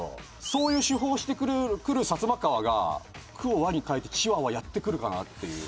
そういう手法をしてくるサツマカワが「“く”を“わ”に変えてチワワ」やってくるかな？っていう。